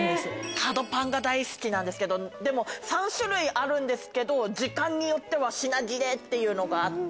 角パンが大好きなんですけど３種類あるんですけど時間によっては品切れっていうのがあって。